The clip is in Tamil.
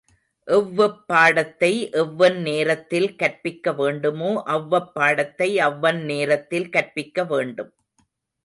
எவ்வெப் பாடத்தை எவ்வெந் நேரத்தில் கற்பிக்க வேண்டுமோ அவ்வப் பாடத்தை அவ்வந் நேரத்தில் கற்பிக்க வேண்டும்.